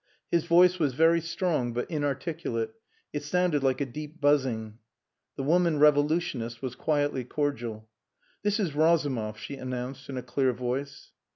His voice was very strong but inarticulate. It sounded like a deep buzzing. The woman revolutionist was quietly cordial. "This is Razumov," she announced in a clear voice.